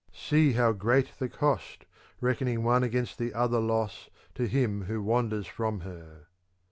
4«4 THE CONVIVIO Ode how great the cost, reckoning one against the other loss, to him who wanders from her.